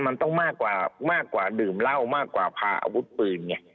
มันต้องมากกว่ามากกว่าดื่มเหล้ามากกว่าพาอาวุธปืนไง